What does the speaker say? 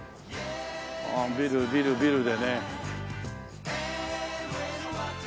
ああビルビルビルでね。